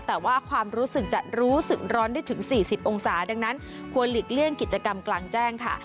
แต่ว่าความรู้สึกจะรู้สึกร้อนได้ถึง๔๐องศาดังนั้นควรหลีกเลี่ยงกิจกรรมกลางแจ้งค่ะ